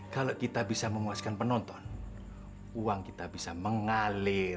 kalau kita bisa memuaskan penonton uang kita bisa mengalir